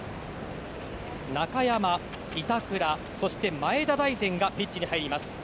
中山、板倉、そして前田大然がピッチに入ります。